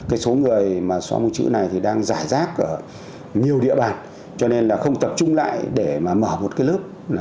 cái số người mà xóa mù chữ này thì đang giải rác ở nhiều địa bàn cho nên là không tập trung lại để mà mở một cái lớp